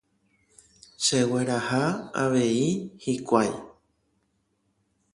Chegueraha avei hikuái